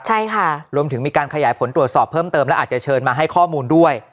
ใช่ค่ะรวมถึงมีการขยายผลตรวจสอบเพิ่มเติมและอาจจะเชิญมาให้ข้อมูลด้วย